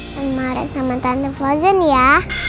jangan marah sama tante fosun ya